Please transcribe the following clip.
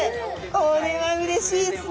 これはうれしいですね。